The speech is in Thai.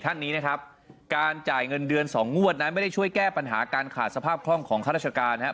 ท่านนี้นะครับการจ่ายเงินเดือน๒งวดนั้นไม่ได้ช่วยแก้ปัญหาการขาดสภาพคล่องของข้าราชการนะครับ